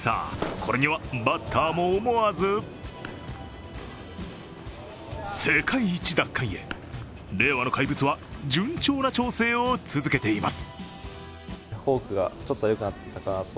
これにはバッターも思わず世界一奪還へ、令和の怪物は順調な調整を続けています。